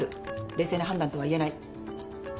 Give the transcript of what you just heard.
冷静な判断とは言えない。